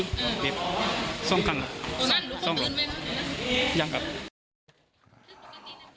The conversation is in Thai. ส่องขัง